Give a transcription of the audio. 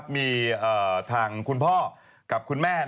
มีทางคุณพ่อกับคุณแม่